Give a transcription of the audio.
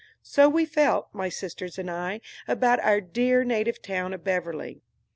So we felt, my sisters and I, about our dear native town of Beverly.